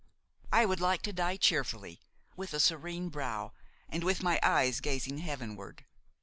I would like to die cheerfully, with a serene brow and with my eyes gazing heavenward.